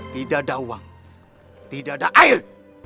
tidak ada uang tidak ada air